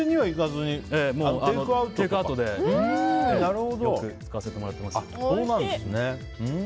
テイクアウトでよく使わせてもらってます。